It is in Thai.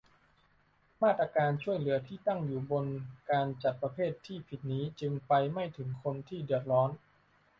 มาตรการช่วยเหลือที่ตั้งอยู่บนการจัดประเภทที่ผิดนี้ จึงไปไม่ถึงคนที่เดือดร้อน